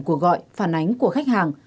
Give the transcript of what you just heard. cuộc gọi phản ánh của khách hàng